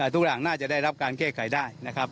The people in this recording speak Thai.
ทุกอย่างน่าจะได้รับการแก้ไขได้นะครับ